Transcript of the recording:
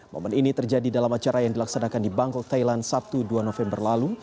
momen ini terjadi dalam acara yang dilaksanakan di bangkok thailand sabtu dua november lalu